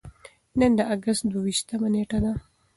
نن د اګست دوه ویشتمه نېټه ده.